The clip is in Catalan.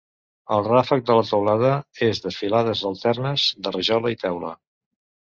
El ràfec de la teulada és de filades alternes de rajola i teula.